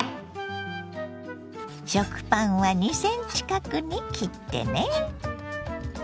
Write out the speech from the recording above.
食パンは２ｃｍ角に切ってね。